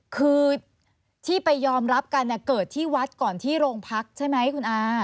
คือที่ไปยอมรับกันเกิดที่วัดก่อนที่โรงพักใช่ไหมคุณอา